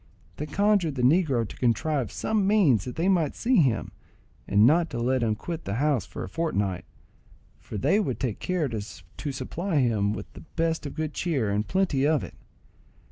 They conjured the negro to contrive some means that they might see him, and not to let him quit the house for a fortnight, for they would take care to supply him with the best of good cheer, and plenty of it.